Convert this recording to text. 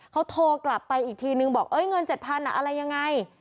เขาโทรกลับไปอีกทีนึงบอกเงิน๗๐๐อะไรยังไง